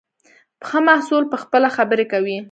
ښه محصول پخپله خبرې کوي.